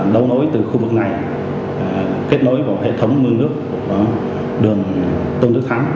đấu nối từ khu vực này kết nối vào hệ thống mương nước đường tôn đức thắng